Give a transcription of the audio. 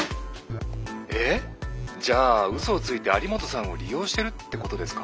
「えっ？じゃあうそをついて有本さんを利用してるってことですか？」。